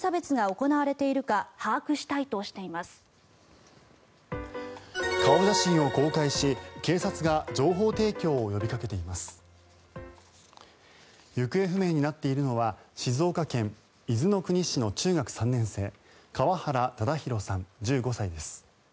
行方不明になっているのは静岡県伊豆の国市の中学３年生川原唯滉さん、１５歳です。